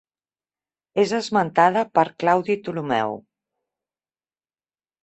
És esmentada per Claudi Ptolemeu.